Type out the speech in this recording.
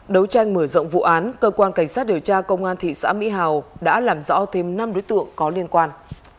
đấu tranh mở rộng vụ án cơ quan cảnh sát điều tra công an thị xã mỹ hào đã làm rõ thêm năm đối tượng có liên quan